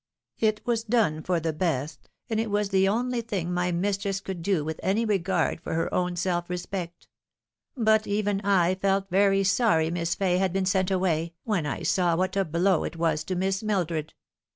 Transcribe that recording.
It was done for the best, and it was the only thing my mistress could do with any regard for her own self respect ; but even I felt very sorry Miss Fay had been sent away, when I saw what a blow it was to Miss Mildred.